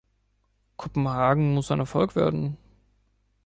Kopenhagen muss ein Erfolg werden.